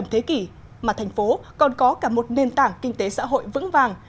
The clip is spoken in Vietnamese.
một thế kỷ mà thành phố còn có cả một nền tảng kinh tế xã hội vững vàng